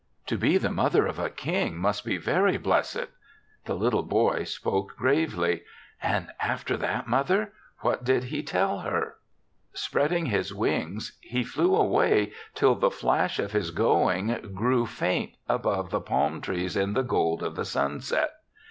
" To be the mother of a King must be very blessed. The little boy spoke gravely. "And after that, mother, what did he tell her? THE SEVENTH CHRISTMAS 25 "Spreading his wings, he flew away till the flash of his going grew faint above the palm trees in the gold of the sunset.